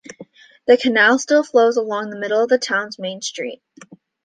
The canal still flows along the middle of the town's main street.